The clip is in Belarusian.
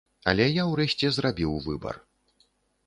Але я ўрэшце зрабіў выбар.